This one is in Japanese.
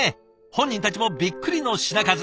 本人たちもびっくりの品数。